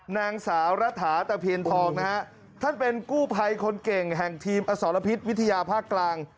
นางสาวรัฐาตะเพียนทองนะฮะท่านเป็นกู้ภัยคนเก่งแห่งทีมอสรพิษวิทยาภาคกลาง